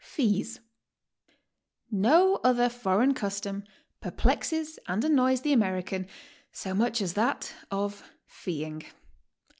FEES. No other foreign custom perplexes arid annoys t!he American so much as that of feeing.